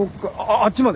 あっちまで？